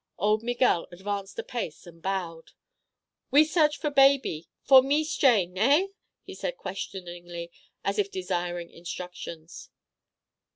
Old Miguel advanced a pace and bowed. "We search for baby—for Mees Jane—eh?" he said, questioningly, as if desiring instructions.